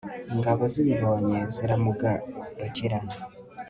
ingabo zibibonye ziramugarukira